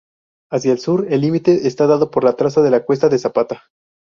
Hacia el sur, el límite esta dado por traza de la Cuesta de Zapata.